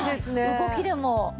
動きでも。